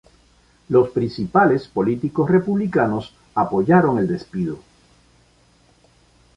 Los principales políticos republicanos apoyaron el despido.